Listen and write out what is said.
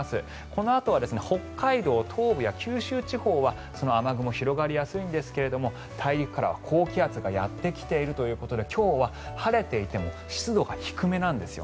このあとは北海道東部や九州地方は雨雲が広がりやすいんですが大陸からは高気圧がやってきているということで今日は晴れていても湿度が低めなんです。